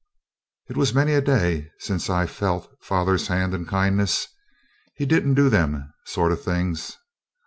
It was many a day since I'd felt father's hand in kindness; he didn't do them sort of things.